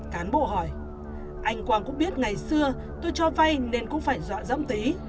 cán bộ hỏi anh quang cũng biết ngày xưa tôi cho vay nên cũng phải dọa giống tí